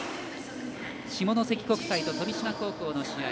下関国際と富島高校の試合